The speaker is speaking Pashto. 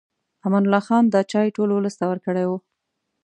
امان الله خان دا چای ټول ولس ته ورکړی و.